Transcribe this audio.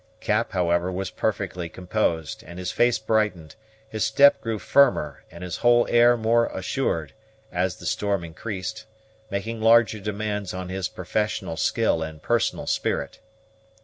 Cap, however, was perfectly composed, and his face brightened, his step grew firmer, and his whole air more assured, as the storm increased, making larger demands on his professional skill and personal spirit.